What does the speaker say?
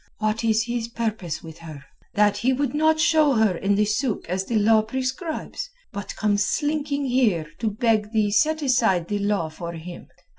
What is his purpose with her—that he would not show her in the suk as the law prescribes, but comes slinking here to beg thee set aside the law for him?